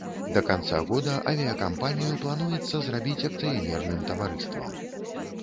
Да канца года авіякампанію плануецца зрабіць акцыянерным таварыствам.